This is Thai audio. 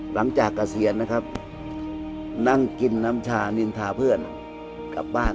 เกษียณนะครับนั่งกินน้ำชานินทาเพื่อนกลับบ้าน